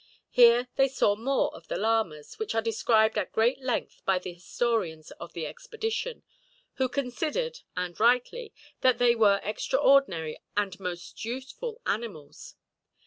Here they saw more of the llamas, which are described at great length by the historians of the expedition; who considered, and rightly, that they were extraordinary and most useful animals.